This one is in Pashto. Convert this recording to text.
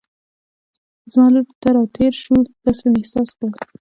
زما لور ته را تېر شو، داسې مې احساس کړل.